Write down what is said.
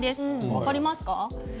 分かりますか？